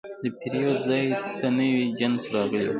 د پیرود ځای ته نوی جنس راغلی و.